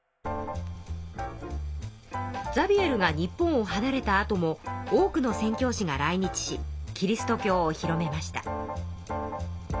ザビエルが日本をはなれたあとも多くの宣教師が来日しキリスト教を広めました。